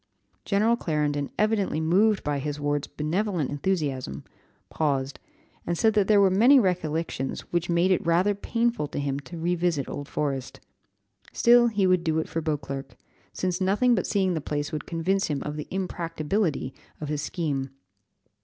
General Clarendon, evidently moved by his ward's benevolent enthusiasm, paused and said that there were many recollections which made it rather painful to him to revisit Old Forest. Still he would do it for Beauclerc, since nothing but seeing the place would convince him of the impracticability of his scheme.